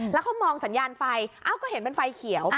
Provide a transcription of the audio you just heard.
แล้วเขามองสัญญาณไฟเอ้าก็เห็นเป็นไฟเขียว